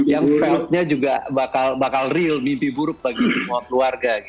yang health nya juga bakal real mimpi buruk bagi semua keluarga